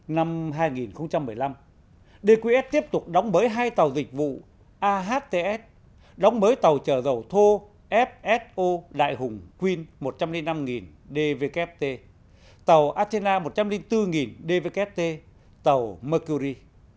năm hai nghìn một mươi năm dqs tiếp tục đóng bới hai tàu dịch vụ ahts đóng bới tàu chở dầu thô fso đại hùng queen một trăm linh năm dvkft tàu athena một trăm linh bốn dvkft tàu mercury